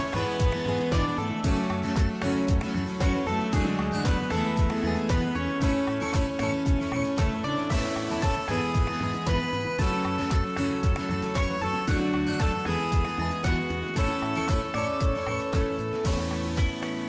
โปรดติดตามตอนต่อไป